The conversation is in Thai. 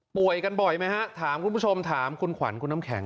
กันบ่อยไหมฮะถามคุณผู้ชมถามคุณขวัญคุณน้ำแข็ง